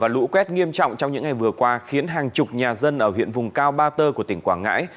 lũ quét nghiêm trọng trong những ngày vừa qua khiến hàng chục nhà dân ở huyện vùng cao ba tơ của tỉnh quảng ngãi